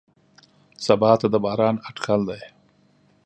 سبا ته د باران اټکل دی.